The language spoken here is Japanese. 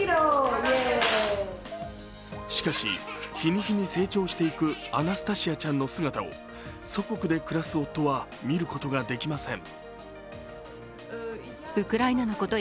しかし、日に日に成長していくアナスタシアちゃんの姿を祖国で暮らす夫は見ることができません。